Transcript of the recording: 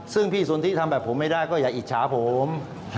ซึ่งพี่สนทิทำแบบผมไม่ได้ก็อย่าอิจฉาผม